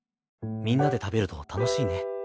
みんなで食べると楽しいね。